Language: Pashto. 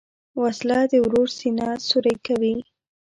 وسله د ورور سینه سوری کوي